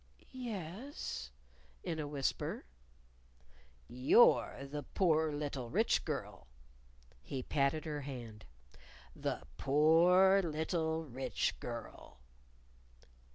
"Yes," in a whisper. "You're the Poor Little Rich Girl." He patted her hand. "The Poor Little Rich Girl!"